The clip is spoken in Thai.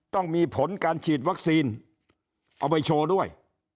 ต้องมีผลการฉีดวัคซีนเอาไปโชว์ด้วย